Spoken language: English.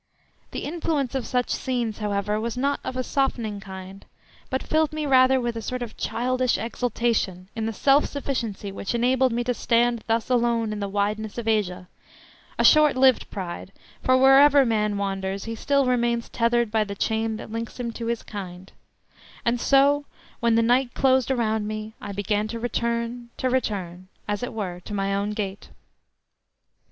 The influence of such scenes, however, was not of a softening kind, but filled me rather with a sort of childish exultation in the self sufficiency which enabled me to stand thus alone in the wideness of Asia—a short lived pride, for wherever man wanders he still remains tethered by the chain that links him to his kind; and so when the night closed around me I began to return, to return, as it were, to my own gate.